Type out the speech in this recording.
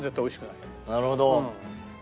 なるほど。